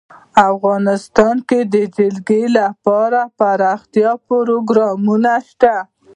افغانستان کې د جلګه لپاره دپرمختیا پروګرامونه شته.